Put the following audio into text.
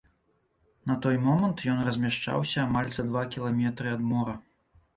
На той момант ён размяшчаўся амаль за два кіламетры ад мора.